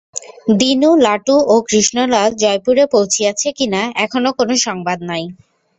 দীনু, লাটু ও কৃষ্ণলাল জয়পুরে পৌঁছিয়াছে কিনা, এখনও কোন সংবাদ নাই।